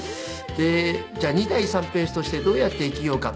でじゃあ２代三平としてどうやって生きようか。